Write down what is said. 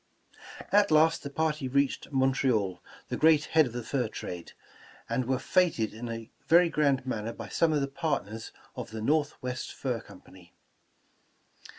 '' At last the party reached Montreal, the great head of the fur trade, and were feted in a very grand man ner by some of the partners of the Northwest Fur Com pany.